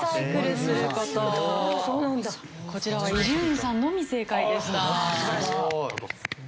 こちらは伊集院さんのみ正解でした。